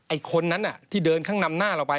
คนนั้นที่เดินข้างนำหน้าเราไป